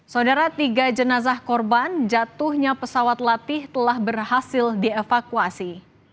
saudara tiga jenazah korban jatuhnya pesawat latih telah berhasil dievakuasi